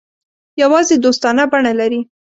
یوازې دوستانه بڼه لري.